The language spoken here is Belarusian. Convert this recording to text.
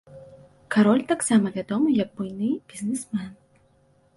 Кароль таксама вядомы як буйны бізнесмен.